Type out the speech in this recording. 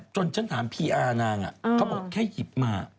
ฉันถามพีอาร์นางเขาบอกแค่หยิบมา